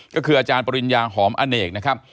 ก็คืออาจารย์ปริญญาหอมอเนกนะครับ